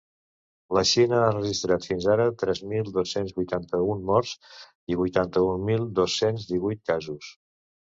La Xina ha registrat fins ara tres mil dos-cents vuitanta-un morts i vuitanta-un mil dos-cents divuit casos.